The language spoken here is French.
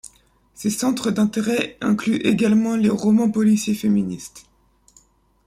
Ses centres d'intérêts incluent également les romans policiers féministes.